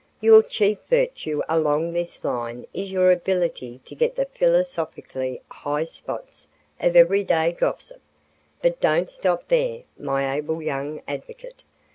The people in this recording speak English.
Your chief virtue along this line is your ability to get the philosophical high spots of every day gossip. But don't stop there, my able young advocate.